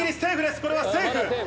これはセーフ。